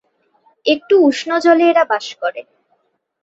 একটু উষ্ণ জলে এরা বাস করে।